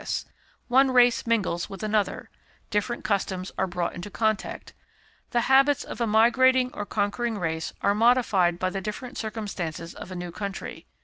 He migrates he makes wars and conquests one race mingles with another different customs are brought into contact the habits of a migrating or conquering race are modified by the different circumstances of a new country.